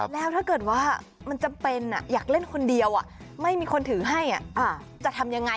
แล้วถ้าเกิดว่ามันจำเป็นอยากเล่นคนเดียวไม่มีคนถือให้จะทำยังไง